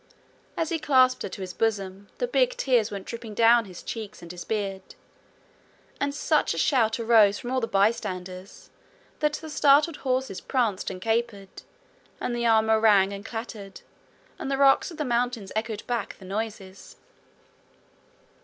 As he clasped her to his bosom, the big tears went dropping down his cheeks and his beard. And such a shout arose from all the bystanders that the startled horses pranced and capered, and the armour rang and clattered, and the rocks of the mountain echoed back the noises.